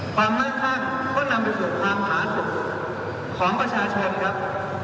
มั่งคั่งก็นำไปสู่ความผาสุขของประชาชนครับ